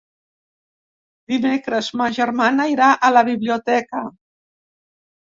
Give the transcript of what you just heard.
Dimecres ma germana irà a la biblioteca.